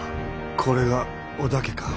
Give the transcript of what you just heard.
これが織田家か。